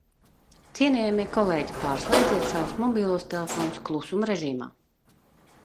Cienījamie kolēģi, pārslēdziet savus mobilos telefonus klusuma režīmā!